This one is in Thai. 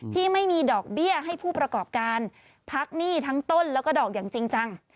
ที่ไม่มีดอกเบี้ยให้ผู้ประกอบการพักหนี้ทั้งต้นแล้วก็ดอกอย่างจริงจัง